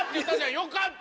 よかった。